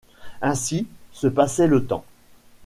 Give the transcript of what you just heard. Ainsi se passait le temps.